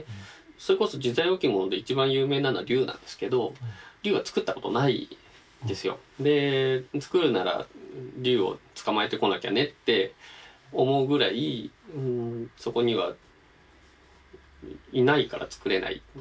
それこそ自在置物で一番有名なのは竜なんですけど竜は作ったことないんですよ。で作るなら竜を捕まえてこなきゃねって思うぐらいそこにはいないから作れない。